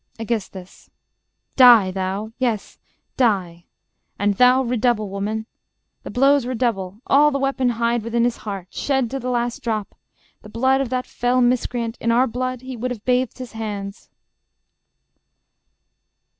Aegis. Die, thou yes, die! And thou redouble, woman. The blows redouble; all the weapon hide Within his heart; shed, to the latest drop, The blood of that fell miscreant: in our blood He would have bathed his hands.